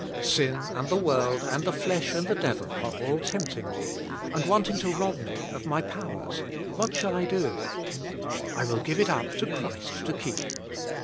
Sin and the world and the flesh and the devil are all tempting* me and wanting" to rob me of my powers; what shall I do? I will g^ive it up to Christ to keep."